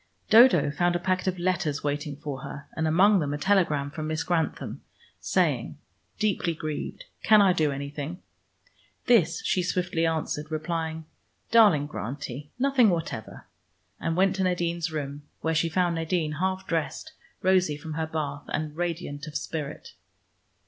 Dodo found a packet of letters waiting for her and among them a telegram from Miss Grantham saying, "Deeply grieved. Can I do anything?" This she swiftly answered, replying, "Darling Grantie. Nothing whatever," and went to Nadine's room, where she found Nadine, half dressed, rosy from her bath, and radiant of spirit.